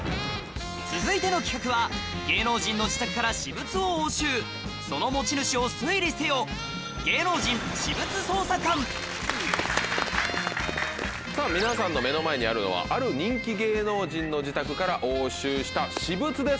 続いての企画はその持ち主を推理せよ皆さんの目の前にあるのはある人気芸能人の自宅から押収した私物です。